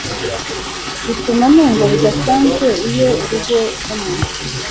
bituma numva bidasanzwe iyo urugo rwumuntu